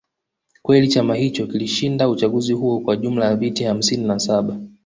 kweli chama hicho kilishinda uchaguzi huo kwa jumla ya viti hamsini na saba